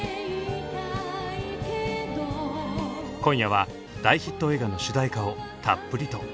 今夜は大ヒット映画の主題歌をたっぷりと。